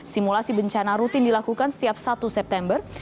simulasi bencana rutin dilakukan setiap satu september